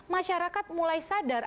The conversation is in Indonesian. masyarakat mulai sadar